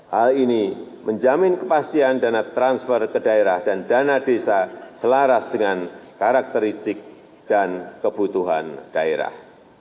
hal ini menjamin kepastian dana transfer ke daerah dan dana desa selaras dengan karakteristik dan kebutuhan daerah